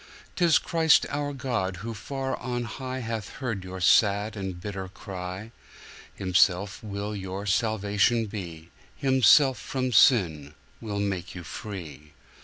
'Tis Christ our God who far on highHath heard your sad and bitter cry; Himself will your Salvation be, Himself from sin will make you free.